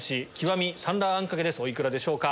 お幾らでしょうか？